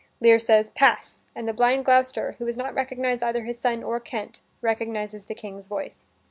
Lear says, "Pass," and the blind Gloucester, who has not recognized either his son or Kent, recognizes the King's voice.